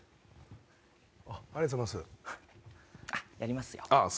ありがとうございます。